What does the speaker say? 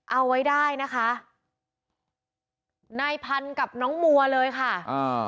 เอาไว้ได้นะคะนายพันธุ์กับน้องมัวเลยค่ะอ่า